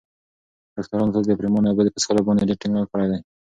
ډاکترانو تل د پرېمانه اوبو په څښلو باندې ډېر ټینګار کړی دی.